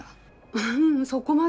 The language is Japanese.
ううんそこまでは。